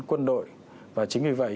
quân đội và chính vì vậy